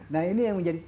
nah ini yang menjadi